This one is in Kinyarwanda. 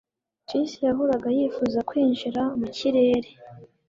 Chris yahoraga yifuza kwinjira mu kirere